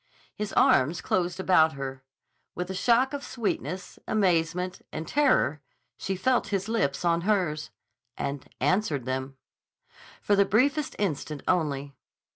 His arms closed about her. With a shock of sweetness, amazement, and terror she felt his lips on hers—and answered them. For the briefest instant only.